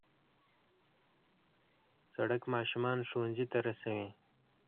سړک ماشومان ښوونځي ته رسوي.